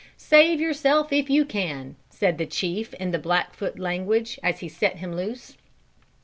"Save yourself if you can," said the chief in the Blackfoot language as he set him loose.